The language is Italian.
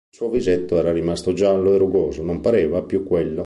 Il suo visetto era rimasto giallo e rugoso; non pareva più quello.